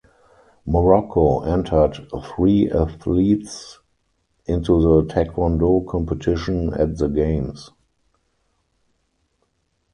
Morocco entered three athletes into the taekwondo competition at the Games.